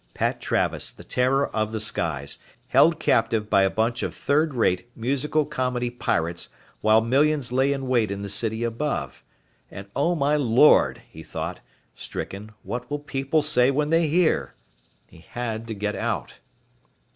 Pat Travis, the terror of the skies, held captive by a bunch of third rate musical comedy pirates while millions lay in wait in the city above. And oh my Lord, he thought, stricken, what will people say when they hear he had to get out.